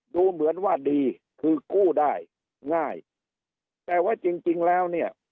ดูเหมือนว่าดีคือกู้ได้ง่ายแต่ว่าจริงจริงแล้วเนี่ย